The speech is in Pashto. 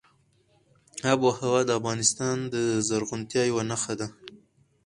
آب وهوا د افغانستان د زرغونتیا یوه نښه ده.